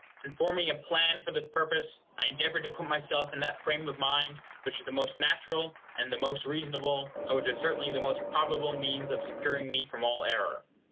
In forming a plan for this purpose, I endeavored to put myself in that frame of mind which was the most natural and the most reasonable, and which was certainly the most probable means of securing me from all error.